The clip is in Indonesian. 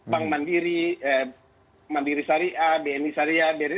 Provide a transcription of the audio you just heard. bank mandiri mandiri syariah bni syariah bri